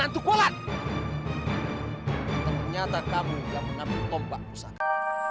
ternyata kamu yang menampil tompak usaha